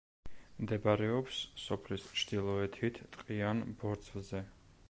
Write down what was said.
მდებარეობს სოფლის ჩრდილოეთით, ტყიან ბორცვზე.